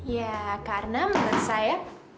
ya karena menurut saya